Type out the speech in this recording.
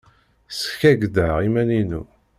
Skakkḍeɣ iman-inu.